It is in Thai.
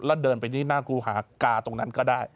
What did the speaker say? แล้วเดินไปที่หน้าครูหากาตรงนั้นก็ได้